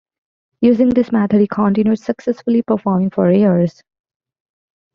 Using this method he continued successfully performing for years.